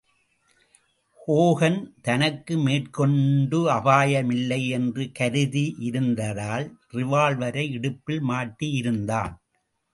Hogan தனக்கு மேற்கொண்டு அபாய மில்லை என்று கருதியிருந்ததால் ரிவால்வரை இடுப்பில் மாட்டியிருந்தான்.